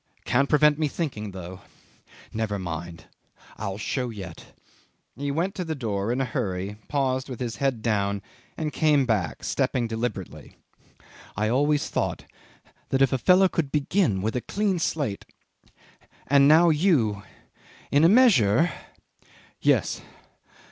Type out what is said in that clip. Can't prevent me thinking though. ... Never mind! ... I'll show yet ..." He went to the door in a hurry, paused with his head down, and came back, stepping deliberately. "I always thought that if a fellow could begin with a clean slate ... And now you ... in a measure ... yes